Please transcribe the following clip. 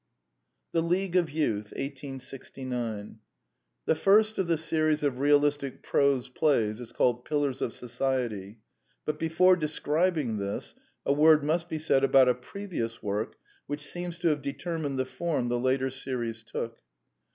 The League of Youth 1869 The first of the series of realistic prose plays is called Pillars of Society; but before describing this, a word must be said about a previous work which seems to have determined the form the later series took.